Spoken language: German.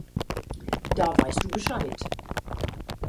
Da weisst du Bescheid.